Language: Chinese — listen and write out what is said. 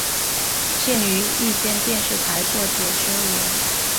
现于一间电视台做解说员。